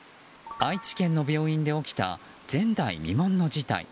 愛知県の病院で起きた前代未聞の事態。